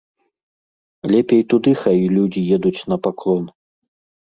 Лепей туды хай людзі едуць на паклон.